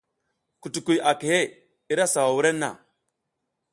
Kutukuy a kehe, i ra sawa wurenna.